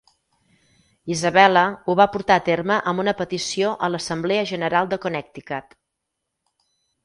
Isabella ho va portar a terme amb una petició a l'Assemblea General de Connecticut.